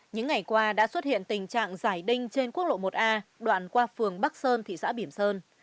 những ngày qua đã xuất hiện tình trạng giải đinh trên quốc lộ một a đoạn qua phường bắc sơn thị xã bỉm sơn